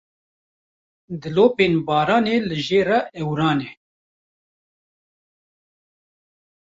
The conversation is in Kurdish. Dilopên baranê li jêra ewran e.